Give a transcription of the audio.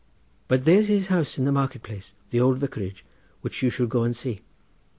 But there's his house in the market place, the old vicarage, which you should go and see.